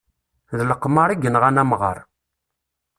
D leqmar i yenɣan amɣar.